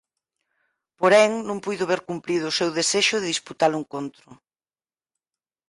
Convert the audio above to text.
Porén non puido ver cumprido o seu desexo de disputar o encontro.